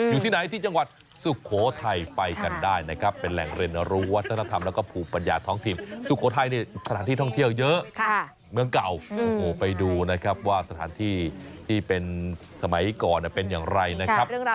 อยู่ที่ไหนที่จังหวัดสุโขทัยไปกันได้นะครับเป็นแหล่งเรียนรู้วัฒนธรรมแล้วก็ภูมิปัญญาท้องถิ่นสุโขทัยนี่สถานที่ท่องเที่ยวเยอะเมืองเก่าโอ้โหไปดูนะครับว่าสถานที่ที่เป็นสมัยก่อนเป็นอย่างไรนะครับ